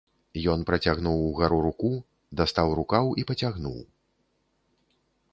Ён працягнуў угару руку, дастаў рукаў і пацягнуў.